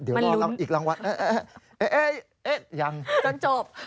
เดี๋ยวรออีกรางวัลเอ๊ะยังจนจบ